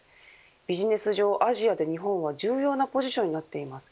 ビジネス上、アジアで日本は重要なポジションになっています。